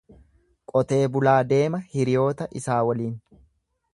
Qotee bulaa deema hiriyoota isaa waliin.